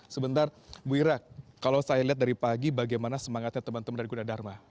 sebentar bu irak kalau saya lihat dari pagi bagaimana semangatnya teman teman dari gunadharma